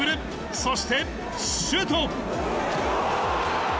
そしてシュート。